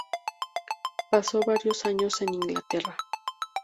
Pasó varios años en Inglaterra.